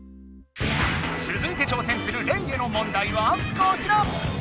つづいてちょうせんするレイへの問題はこちら！